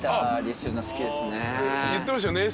言ってましたよね